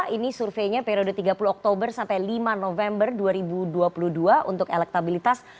ini surveinya periode tiga puluh oktober sampai lima november dua ribu dua puluh dua untuk elektabilitas